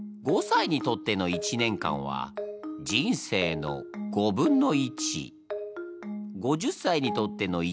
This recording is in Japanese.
５０歳にとっての一年間は人生の５０分の１。